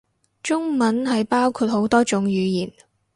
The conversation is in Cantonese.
中文係包括好多種語言